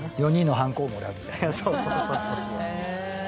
そうそうそうそう。